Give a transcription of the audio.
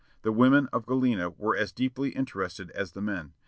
The women of Galena were as deeply interested as the men.